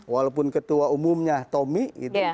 walaupun ketua umumnya tommy